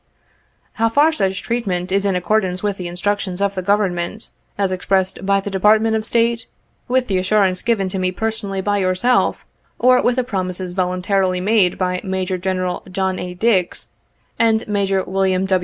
How far such treatment is in accordance with the instructions of the Government, as expressed by the Department of State, with the assurance given to me personally by yourself, or with the promises voluntarily made by Major General John A. Dix, and Major Wm.